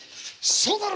そうだろう！